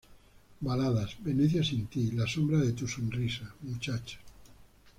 Baladas: Venecia Sin ti, La Sombra de Tu Sonrisa, Muchacha.